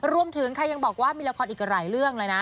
รวมถึงค่ะยังบอกว่ามีละครอีกหลายเรื่องเลยนะ